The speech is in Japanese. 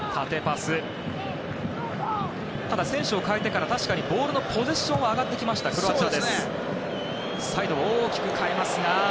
ただ、選手を代えてから確かにボールポゼッションは上がってきました、クロアチア。